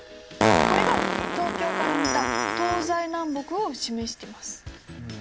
これが東京から見た東西南北を示してます。